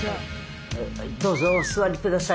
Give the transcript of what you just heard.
「どうぞお座り下さい」。